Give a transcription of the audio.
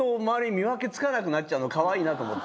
見分けつかなくなっちゃうのかわいいなと思って。